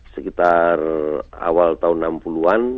sekitar awal tahun enam puluh an